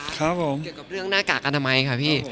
ครับผมเกี่ยวกับเรื่องหน้ากากอนามัยค่ะพี่